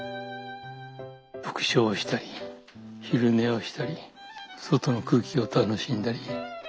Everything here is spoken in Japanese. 読書をしたり昼寝をしたり外の空気を楽しんだり。